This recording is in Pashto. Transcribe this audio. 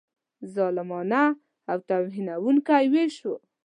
ظالمانه او توهینونکی وېش وو.